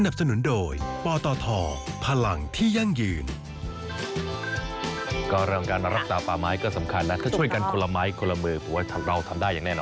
เรื่องการรักษาป่าไม้ก็สำคัญนะถ้าช่วยกันคนละไม้คนละมือผมว่าเราทำได้อย่างแน่นอ